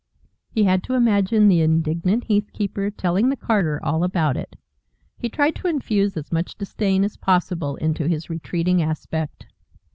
He had to imagine the indignant heath keeper telling the carter all about it. He tried to infuse as much disdain aspossible into his retreating aspect.